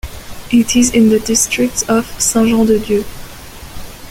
It is in the district of Saint-Jean-de-Dieu.